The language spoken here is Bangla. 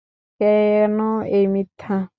কেন এই মিথ্যা?